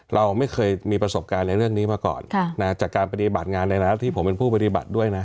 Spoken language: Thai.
เราไม่เคยมีประสบการณ์ในเรื่องนี้มาก่อนจากการปฏิบัติงานในแล้วที่ผมเป็นผู้ปฏิบัติด้วยนะ